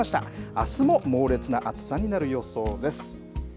あすも猛烈な暑さになる予想です。